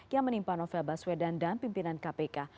yang menimpa novel baswedan dan pimpinan kpk